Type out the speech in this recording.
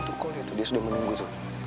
tuh kau liat dia sudah menunggu tuh